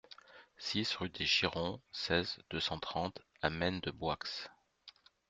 six rue des Chirons, seize, deux cent trente à Maine-de-Boixe